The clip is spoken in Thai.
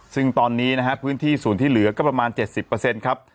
ซึ่งตอนนี้นะฮะพื้นที่ศูนย์ที่เหลือก็ประมาณ๗๐ครับ